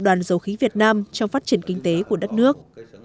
đoàn dầu khí việt nam trong phát triển kinh tế của đất nước